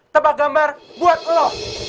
tebak gambar buat lo